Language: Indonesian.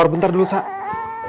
walaupun mama gak ada buat kamu